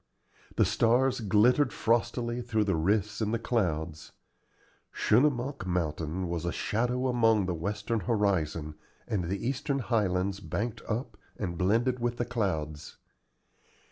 The stars glittered frostily through the rifts in the clouds. Schunemunk Mountain was a shadow along the western horizon, and the eastern highlands banked up and blended with the clouds.